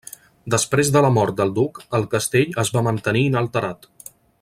Després de la mort del duc, el castell es va mantenir inalterat.